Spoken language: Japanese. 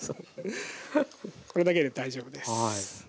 これだけで大丈夫です。